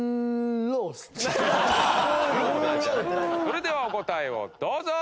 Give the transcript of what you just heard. それではお答えをどうぞ！